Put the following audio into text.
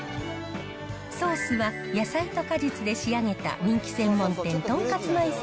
ソースは野菜と果実で仕上げた人気専門店、とんかつまい泉